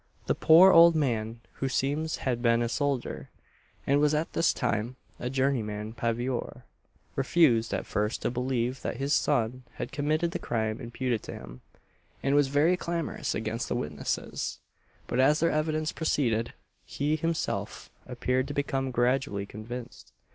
The poor old man, who it seems had been a soldier, and was at this time a journeyman paviour, refused at first to believe that his son had committed the crime imputed to him, and was very clamorous against the witnesses; but as their evidence proceeded, he himself appeared to become gradually convinced.